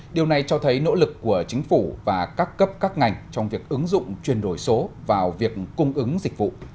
điều này cho thấy nỗ lực của chính phủ và các cấp các ngành trong việc ứng dụng chuyển đổi số vào việc cung ứng dịch vụ